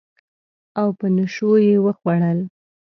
او په نشو یې وخوړل